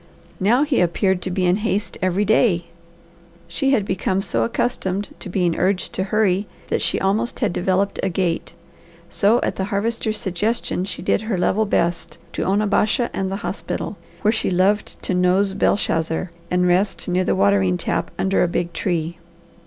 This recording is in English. Now he appeared to be in haste every day. She had become so accustomed to being urged to hurry that she almost had developed a gait; so at the Harvester's suggestion she did her level best to Onabasha and the hospital, where she loved to nose Belshazzar and rest near the watering tap under a big tree.